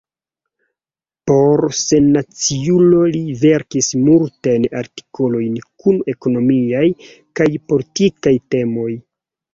Por Sennaciulo li verkis multajn artikolojn kun ekonomiaj kaj politikaj temoj.